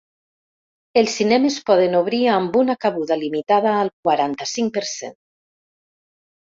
Els cinemes poden obrir amb una cabuda limitada al quaranta-cinc per cent.